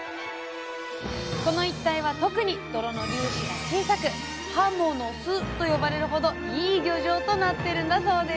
この一帯は特に泥の粒子が小さく「はもの巣」と呼ばれるほどいい漁場となってるんだそうです。